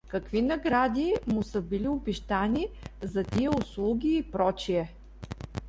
Какви награди му са били обещани за тия услуги и пр.